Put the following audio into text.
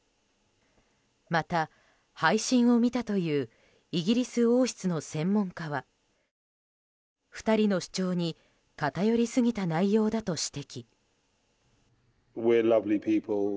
また、配信を見たというイギリス王室の専門家は２人の主張に偏りすぎた内容だと指摘。